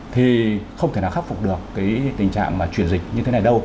thì không thể nào khắc phục được cái tình trạng mà chuyển dịch như thế này đâu